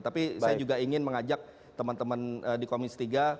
tapi saya juga ingin mengajak teman teman di komisi tiga